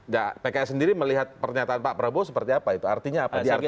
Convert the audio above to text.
nah pks sendiri melihat pernyataan pak prabowo seperti apa itu artinya apa diartisi